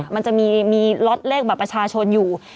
มันจะมีล็อตเลขบัตรประชาชนอยู่